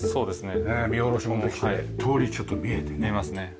見下ろしもできて通りちょっと見えてね。